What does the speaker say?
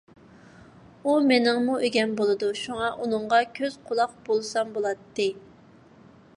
ئۇ مېنىڭمۇ ئىگەم بولىدۇ، شۇڭا ئۇنىڭغا كۆز - قۇلاق بولسام بولاتتى.